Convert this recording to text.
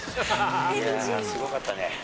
いやー、すごかったね。